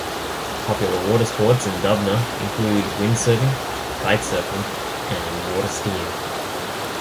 Popular water sports in Dubna include windsurfing, kitesurfing, and water-skiing.